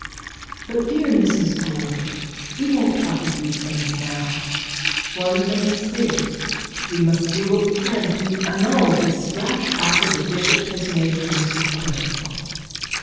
But, dear Mrs Bold; we won't talk of those things now. One thing is clear; we mustdo what we can to annul this rash offer the bishop made to Mr Quiverful.